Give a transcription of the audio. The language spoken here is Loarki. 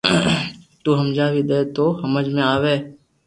تو ھمجاوي ديئي دو تو ھمج مي آوي